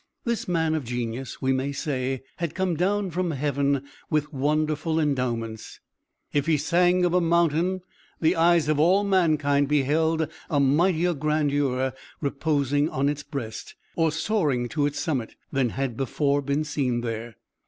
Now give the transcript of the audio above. This man of genius, we may say, had come down from heaven with wonderful endowments. If he sang of a mountain, the eyes of all mankind beheld a mightier grandeur reposing on its breast, or soaring to its summit, than had before been seen there.